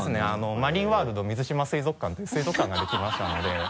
マリンワールド瑞島水族館という水族館ができましたので。